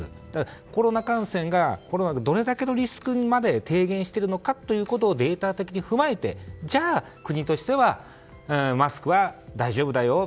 コロナ感染がどれだけのリスクまで低減しているのかをデータ的に踏まえてじゃあ、国としてはマスクは大丈夫だよ